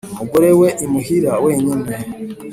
umugore we imuhira wenyine